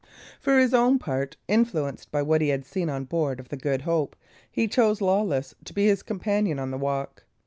For his own part, influenced by what he had seen on board of the Good Hope, he chose Lawless to be his companion on the walk.